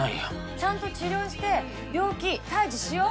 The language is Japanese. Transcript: ちゃんと治療して病気退治しよう。